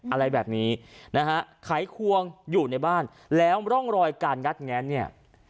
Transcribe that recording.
อะไรแบบนี้นะฮะไขควงอยู่ในบ้านแล้วร่องรอยการงัดแง้นเนี่ย